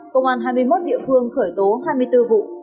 công an hai mươi một địa phương khởi tố hai mươi bốn vụ